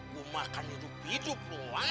gua makan hidup hidup lu